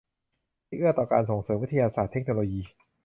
ที่เอื้อต่อการส่งเสริมวิทยาศาสตร์เทคโนโลยี